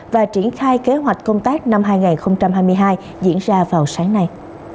và triển khai kế hoạch công tác năm hai nghìn hai mươi hai diễn ra vào sáng nay